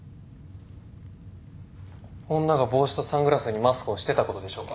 女が帽子とサングラスにマスクをしてたことでしょうか。